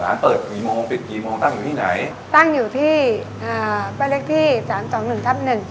เปิดกี่โมงปิดกี่โมงตั้งอยู่ที่ไหนตั้งอยู่ที่อ่าบ้านเล็กที่สามสองหนึ่งทับหนึ่ง